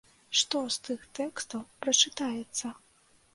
Што з тых тэкстаў прачытаецца?